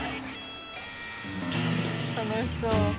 楽しそう。